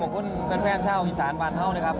ขอบคุณแฟนเช่าฮิสานบานเท่าเลยครับ